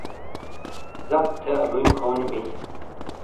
ذک تھے الوئی کھونی بئی